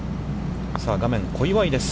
さあ画面、小祝です。